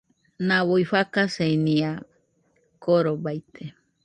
Nau fakaisenia korobaite